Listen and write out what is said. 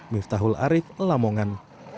miftahul arif lamongan